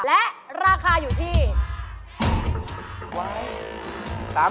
และราคาอยู่ที่๓๐เท่ากัน